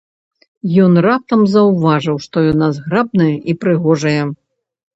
Ён раптам заўважыў, што яна зграбная і прыгожая.